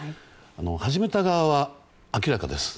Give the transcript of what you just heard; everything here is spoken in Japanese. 始めた側は、明らかです。